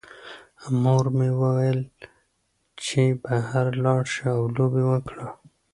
مور مې وویل چې بهر لاړ شه او لوبه وکړه.